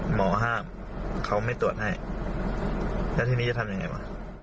หมอห้ามเขาไม่ตรวจให้แล้วทีนี้จะทำยังไงวะ